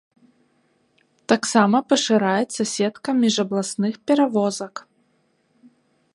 Таксама пашыраецца сетка міжабласных перавозак.